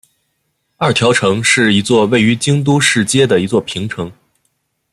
二条城是一座位于京都市街的一座平城。